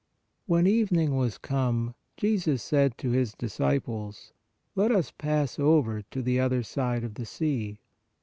When evening was come, Jesus said to His disciples: Let us pass over to the other side (of the sea).